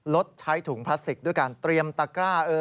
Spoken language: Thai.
ลดใช้ถุงพลาสติกด้วยการเตรียมตะกร้า